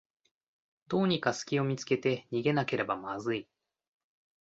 どうにかすきを見つけて逃げなければまずい